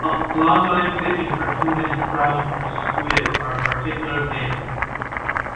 Longline fishing for tuna and trawling for squid are particularly damaging.